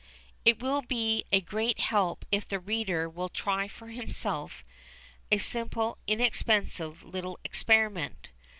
It will be a great help if the reader will try for himself a simple, inexpensive little experiment.